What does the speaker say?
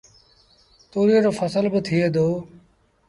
توريئي رو ڦسل با ٿئي دو۔